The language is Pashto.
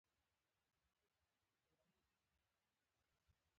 ټول کفار پښتنو ته سره یو لاس شوي.